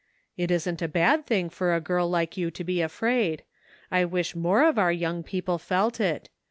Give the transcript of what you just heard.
" It isn't a bad thing for a girl like you to be afraid ; I wish more of our young people felt it.